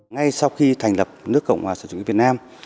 ngay sau khi thành lập nước cộng hòa sở chủ nghĩa việt nam